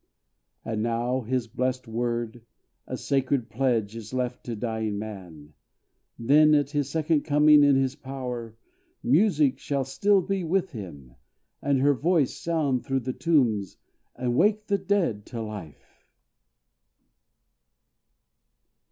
And now, his blessed word, A sacred pledge, is left to dying man, Then at his second coming in his power, Music shall still be with him; and her voice Sound through the tombs and wake the dead to life!